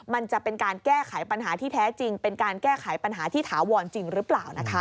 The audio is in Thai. มันจะเป็นการแก้ไขปัญหาที่แท้จริงเป็นการแก้ไขปัญหาที่ถาวรจริงหรือเปล่านะคะ